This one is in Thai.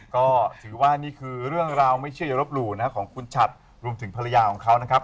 ก็ถือว่านี่คือเรื่องราวไม่เชื่ออย่าลบหลู่นะครับของคุณฉัดรวมถึงภรรยาของเขานะครับ